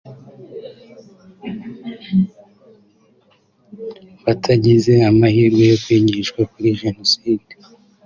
batagize amahirwe yo kwigishwa kuri Jenoside